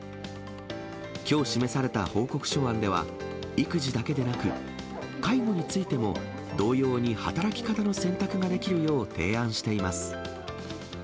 きょう示された報告書案では、育児だけでなく、介護についても同様に働き方の選択ができるよう提案しています。